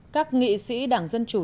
các nghị sĩ đảng dân chủ